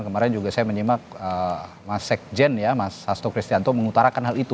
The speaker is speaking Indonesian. kemarin juga saya menyimak mas sekjen ya mas hasto kristianto mengutarakan hal itu